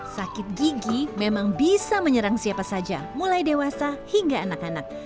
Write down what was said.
sakit gigi memang bisa menyerang siapa saja mulai dewasa hingga anak anak